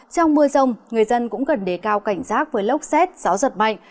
trong mưa rông người dân cũng cần đề cao cảnh giác với lốc xét gió giật mạnh